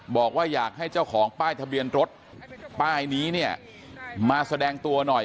บอกว่าอยากให้เจ้าของป้ายทะเบียนรถป้ายนี้เนี่ยมาแสดงตัวหน่อย